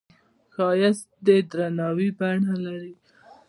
ښایست د درناوي بڼه لري